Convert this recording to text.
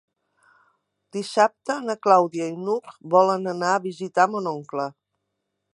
Dissabte na Clàudia i n'Hug volen anar a visitar mon oncle.